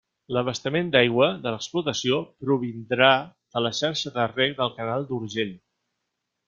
L'abastament d'aigua de l'explotació provindrà de la xarxa de reg del canal d'Urgell.